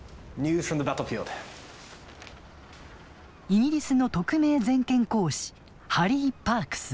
イギリスの特命全権公使ハリー・パークス。